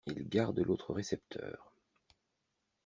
Il garde l’autre récepteur.